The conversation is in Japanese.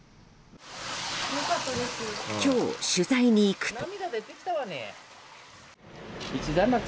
今日、取材に行くと。